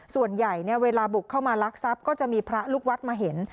ส่วนใหญ่เวลาบุกเข้ามาลักทรัพย์ก็จะมีพระลูกวัดมาเห็น